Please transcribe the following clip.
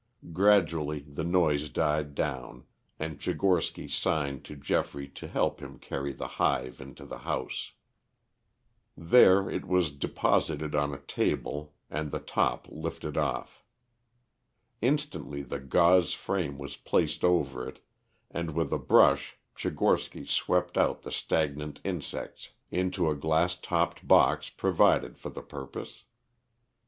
Gradually the noise died down, and Tchigorsky signed to Geoffrey to help him carry the hive into the house. There it was deposited on a table and the top lifted off. Instantly the gauze frame was placed over it, and with a brush Tchigorsky swept out the stagnant insects into a glass topped box provided for the purpose.